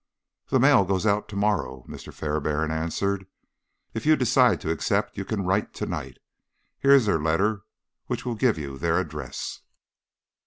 "The mail goes out to morrow," Mr. Fairbairn answered. "If you decide to accept you can write tonight. Here is their letter, which will give you their address."